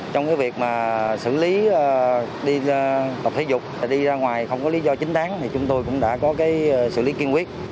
trong việc xử lý tập thể dục đi ra ngoài không có lý do chính đáng chúng tôi cũng đã xử lý kiên quyết